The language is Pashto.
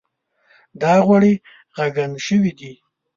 دا غوړي ږغن شوي دي.